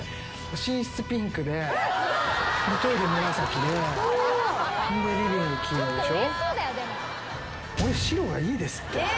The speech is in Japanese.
寝室ピンクでトイレ紫でリビング黄色でしょ？